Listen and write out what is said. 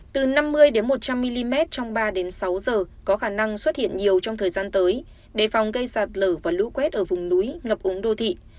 từ năm mươi một trăm linh mm trong ba sáu giờ có khả năng xuất hiện nhiều trong thời gian tới đề phòng gây sạt lở và lũ quét ở vùng núi ngập úng đô thị